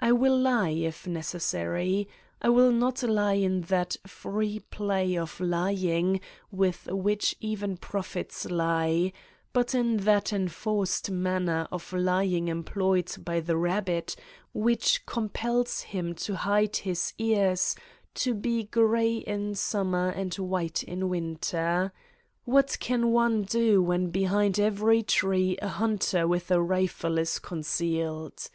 I will lie, if necessary. I will not lie in that free play of lying with which even prophets lie, but in that enforced manner of lying employed by the rabbit, which compels him to hide his ears, to be gray in summer and white in winter. What can one do when behind every tree a hunter with a rifle is concealed!